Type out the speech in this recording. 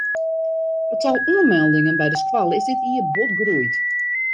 It tal oanmeldingen by de skoalle is dit jier bot groeid.